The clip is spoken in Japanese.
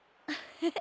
フフ。